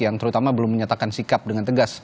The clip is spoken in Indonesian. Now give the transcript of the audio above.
yang terutama belum menyatakan sikap dengan tegas